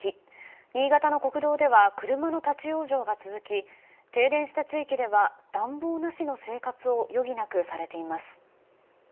新潟の国道では車の立ち往生が続き停電した地域では暖房なしの生活を余儀なくされています。